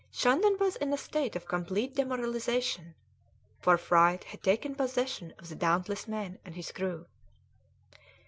Shandon was in a state of complete demoralisation, for fright had taken possession of the dauntless man and his crew.